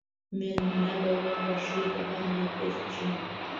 مېلمنه به وه خوښي په هر محل کښي